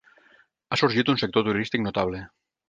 Ha sorgit un sector turístic notable.